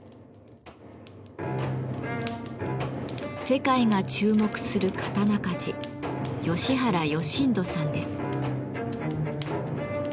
世界が注目する刀鍛冶吉原義人さんです。